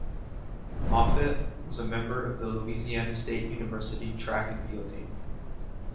Moffitt was a member of the Louisiana State University track and field team.